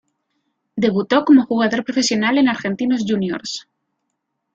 Debutó como jugador profesional en Argentinos Juniors.